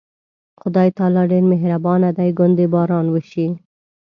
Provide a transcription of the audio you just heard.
خدای تعالی ډېر مهربانه دی، ګوندې باران وشي.